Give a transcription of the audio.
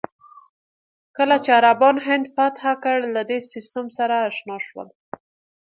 کله چې عربان هند فتح کړل، له دې سیستم سره اشنا شول.